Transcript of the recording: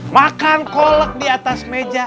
makan kolek di atas meja